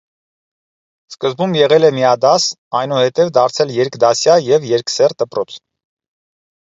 Սկզբում եղել է միադաս, այնուհետև դարձել երկդասյա և երկսեռ դպրոց։